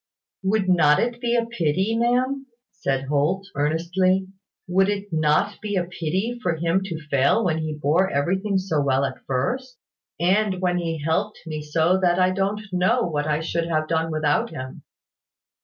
"Would not it be a pity, ma'am," said Holt, earnestly, "would it not be a pity for him to fail when he bore everything so well at first, and when he helped me so that I don't know what I should have done without him?